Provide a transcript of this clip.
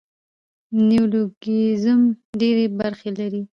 نیولوګیزم ډېري برخي لري.